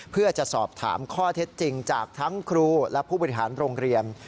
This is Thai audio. เพื่อจะสอบถามข้อเท็จจริงจากทั้งครูและผู้บริหารโรงเรียน